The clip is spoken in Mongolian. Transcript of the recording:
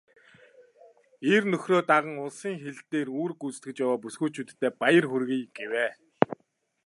"Эр нөхрөө даган улсын хил дээр үүрэг гүйцэтгэж яваа бүсгүйчүүддээ баяр хүргэе" гэв.